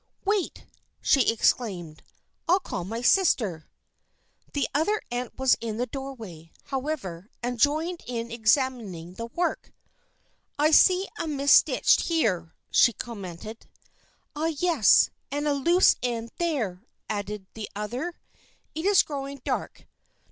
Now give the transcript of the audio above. "Wait!" she exclaimed. "I'll call my sister." The other aunt was in the doorway, however, and joined her in examining the work. "I see a missed stitch here!" she commented. "Ah, yes, and a loose end there!" added the other. "It is growing dark.